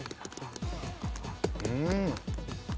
うん。